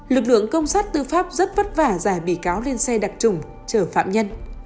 lực lượng công sát tư pháp rất vất vả giải bị cáo lên xe đặc trùng chở phạm nhân